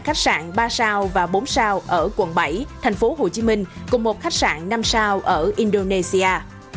khách sạn ba sao và bốn sao ở quận bảy thành phố hồ chí minh cùng một khách sạn năm sao ở indonesia